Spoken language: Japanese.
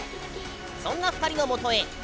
そんな２人のもとへあ